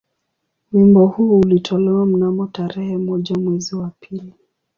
Wimbo huu ulitolewa mnamo tarehe moja mwezi wa pili